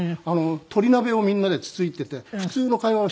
鶏鍋をみんなでつついてて普通の会話をしてるんですよ。